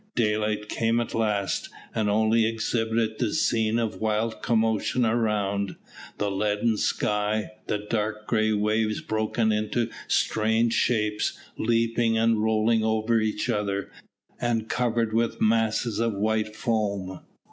Daylight came at last, and only exhibited the scene of wild commotion around; the leaden sky, the dark grey waves broken into strange shapes, leaping and rolling over each other, and covered with masses of white foam.